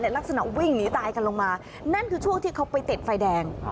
ลักษณะวิ่งหนีตายกันลงมานั่นคือช่วงที่เขาไปติดไฟแดง